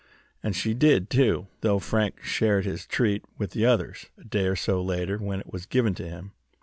And she did, too, though Frank shared his treat with the others, a day or so later, when it was given to him.